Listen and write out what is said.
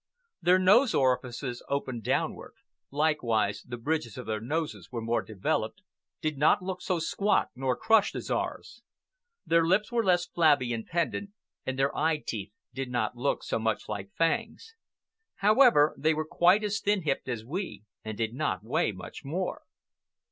Their nose orifices opened downward; likewise the bridges of their noses were more developed, did not look so squat nor crushed as ours. Their lips were less flabby and pendent, and their eye teeth did not look so much like fangs. However, they were quite as thin hipped as we, and did not weigh much more.